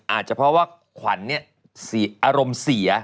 อาจจะเพราะว่าขวัญอารมณ์เสีย